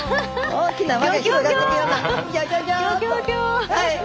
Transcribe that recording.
大きな輪。